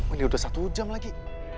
ini udah satu jam lagi